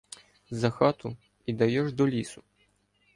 За хату і дайош до лісу.